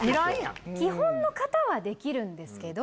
基本の形はできるんですけど。